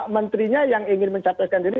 menterinya yang ingin mencapreskan diri